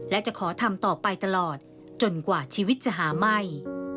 และจะขอทำต่อไปตลอดจนกว่าชีวิตจะหาไหม้